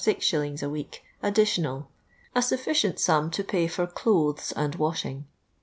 a week additional — a sufficient sum to pay for clothes and washing.